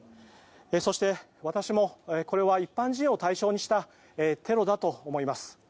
そして、私もこれは一般人を対象にしたテロだと思います。